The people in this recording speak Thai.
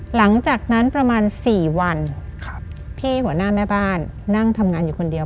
หลังจากนั้นประมาณ๔วันพี่หัวหน้าแม่บ้านนั่งทำงานอยู่คนเดียว